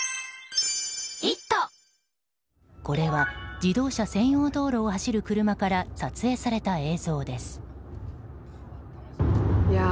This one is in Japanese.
これは自動車専用道路を走る車から撮影された映像です。